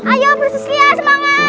ayo bersusia semangat